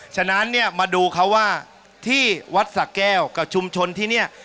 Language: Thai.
ฉะนั้นเนี่ยมาดูเขาว่าที่วัดสะแก้วกับชุมชนที่นี่